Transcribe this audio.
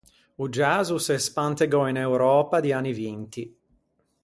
O jazz o s’é spantegou in Euröpa di anni vinti.